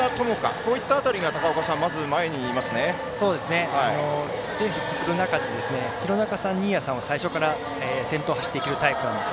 こういった辺りがペースを作る中で廣中さん新谷さんは最初から先頭を走るタイプです。